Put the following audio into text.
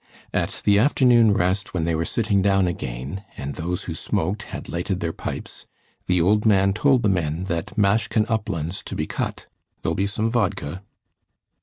At the afternoon rest, when they were sitting down again, and those who smoked had lighted their pipes, the old man told the men that "Mashkin Upland's to be cut—there'll be some vodka."